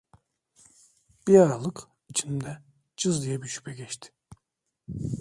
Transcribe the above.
Bir aralık içimden cız diye bir şüphe geçti: